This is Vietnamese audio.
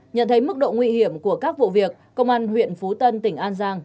nhận thấy mức độ nguy hiểm của các vụ việc công an huyện phú tân tỉnh an giang